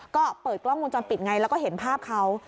ก็เปิดกล้องวงจรปิดไงแล้วก็เห็นภาพเขา